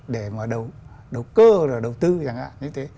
để mà đầu cơ đầu tư chẳng hạn như thế